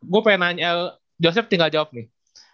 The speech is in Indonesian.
gua pengen nanya joseph tinggal jawab nih